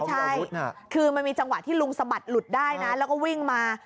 ใช่คือมันมีจังหวะที่ลุงสะบัดหลุดได้นะแล้วก็วิ่งมา